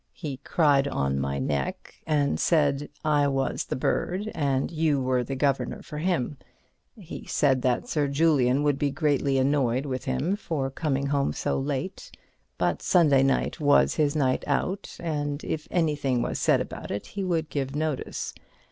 He cried on my neck, and said I was the bird, and you were the governor for him. He said that Sir Julian would be greatly annoyed with him for coming home so late, but Sunday night was his night out and if anything was said about it he would give notice.